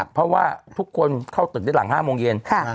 เพราะว่าทุกคนเข้าตึกได้หลัง๕โมงเย็น